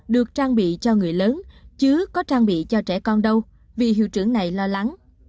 được trang bị cho người lớn chứ có trang bị cho trẻ con đâu vì hiệu trưởng này lo lắng